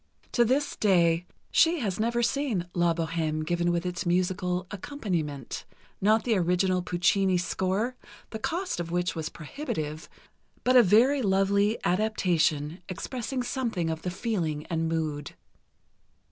To this day, she has never seen "La Bohême" given with its musical accompaniment—not the original Puccini score, the cost of which was prohibitive, but a very lovely adaptation expressing something of the feeling and mood.